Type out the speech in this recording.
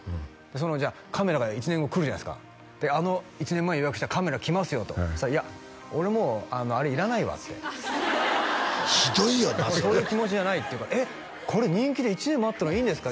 そのカメラが１年後来るじゃないですかであの１年前に予約したカメラ来ますよとそしたらいや俺もうあれいらないわってもうそういう気持ちじゃないって言うから「えっこれ人気で１年待ったのにいいんですか？」